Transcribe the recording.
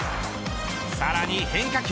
さらに、変化球。